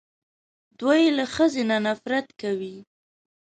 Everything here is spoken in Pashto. دوی له ښځې نه نفرت کوي